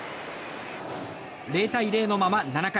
０対０のまま７回。